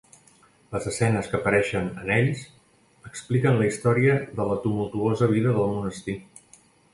Les escenes que apareixen en ells expliquen la història de la tumultuosa vida del monestir.